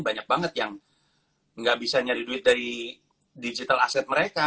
banyak banget yang nggak bisa nyari duit dari digital asset mereka